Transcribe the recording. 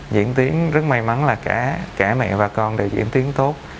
diễn tiến rất may mắn là cả mẹ và con đều diễn tiến tốt